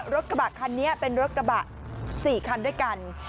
รถกระบะคันนี้เป็นรถกระบะ๔คันด้วยกัน